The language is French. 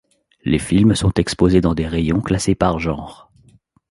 Les films sont exposés dans des rayons, classés par genre.